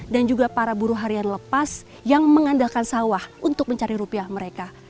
dan juga para buruh harian lepas yang mengandalkan sawah untuk mencari rupiah mereka